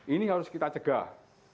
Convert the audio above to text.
ini harus kita cegah